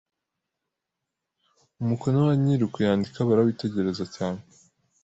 umukono wa nyiri ukuyandika barawitegereza cyane.